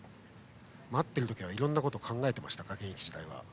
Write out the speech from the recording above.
待っている時はいろいろなことを考えていましたか現役時代は。